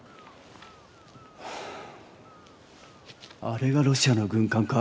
あれがロシアの軍艦か。